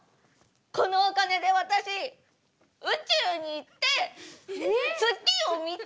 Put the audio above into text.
このお金で私宇宙に行って月を見たいの！